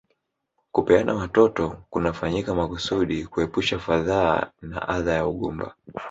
Kupeana watoto kunafanyika makusudi kuepusha fadhaa na adha ya ugumba